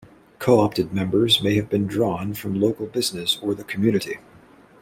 'Co-opted' members may have been drawn from local business or the community.